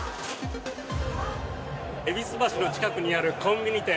戎橋の近くにあるコンビニ店。